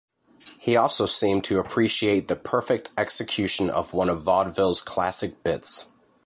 He also seemed to appreciate the perfect execution of one of vaudeville's classic bits.